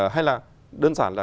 hay là đơn giản là